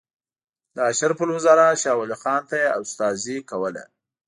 د اشرف الوزرا شاولي خان ته یې استادي کوله.